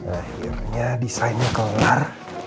akhirnya desainnya kelar